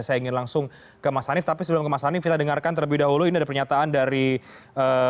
saya ingin langsung ke mas hanif tapi sebelum ke mas hanif kita dengarkan terlebih dahulu ini ada pernyataan dari ee